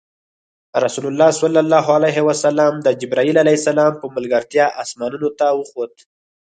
رسول الله د جبرایل ع په ملګرتیا اسمانونو ته وخوت.